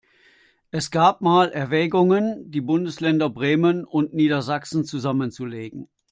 Es gab mal Erwägungen, die Bundesländer Bremen und Niedersachsen zusammenzulegen.